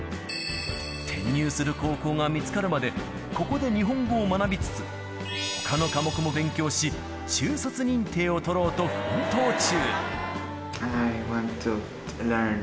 転入する高校が見つかるまで、ここで日本語を学びつつ、ほかの科目も勉強し、中卒認定を取ろうと、奮闘中。